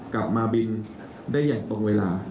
กลับมาบินได้อย่างตรงเวลา